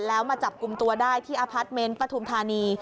แล้วมาจับกลุ่มตัวได้ที่อพาร์ทเมนต์ปฐุมธานี